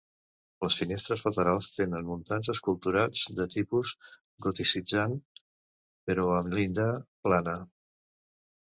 Les finestres laterals tenen muntants esculturats de tipus goticitzant però amb llinda plana.